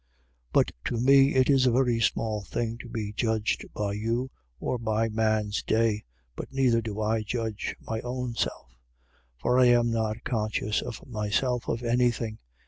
4:3. But to me it is a very small thing to be judged by you or by man's day. But neither do I judge my own self. 4:4. For I am not conscious to myself of anything.